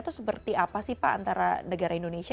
itu seperti apa sih pak antara negara indonesia